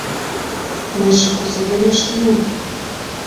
Мыйже кузе верештынам?